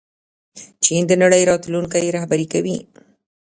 چین د نړۍ راتلونکی رهبري کوي.